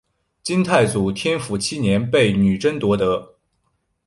金太祖天辅七年被女真夺得。